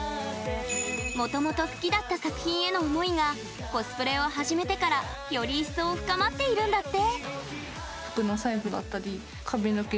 もともと好きだった作品への思いがコスプレを始めてからより一層、高まっているんだって。